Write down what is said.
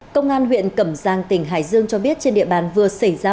công an huyện cẩm giang tỉnh hải dương cho biết trên địa bàn vừa xảy ra